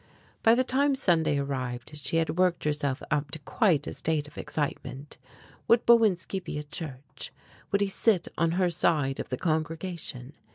By the time Sunday arrived she had worked herself up to quite a state of excitement. Would Bowinski he at church? Would he sit on her side of the congregation?